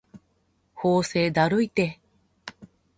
法政だるいて